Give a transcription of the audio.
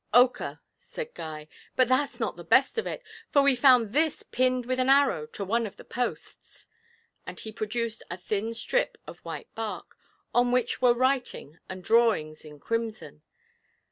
'Ochre,' said Guy; 'but that's not the best of it, for we found this pinned with an arrow to one of the posts.' And he produced a thin strip of white bark, on which were writing and drawings in crimson.